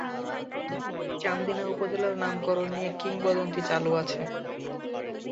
চান্দিনা উপজেলার নামকরণ নিয়ে কিংবদন্তি চালু আছে।